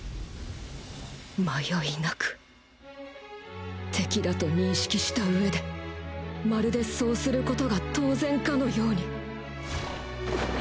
迷いなく敵だと認識した上でまるでそうする事が当然かのように